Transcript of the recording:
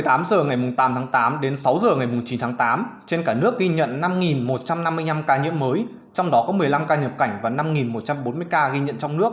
tính đến sáng ngày chín tháng tám việt nam có hai trăm một mươi năm năm trăm sáu mươi ca nhiễm trong đó có hai ba trăm sáu mươi ca nhập cảnh và hai trăm một mươi ba hai trăm linh ca nhiễm trong nước